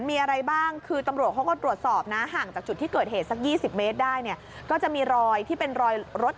มีอะไรบ้างคือตำรวจเขาก็โทรศอบ